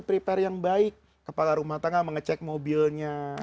prepare yang baik kepala rumah tangga mengecek mobilnya